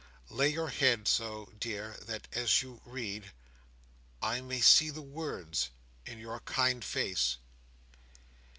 Lay your head so, dear, that as you read I may see the words in your kind face."